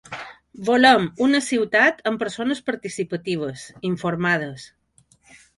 Volem una ciutat amb persones participatives, informades.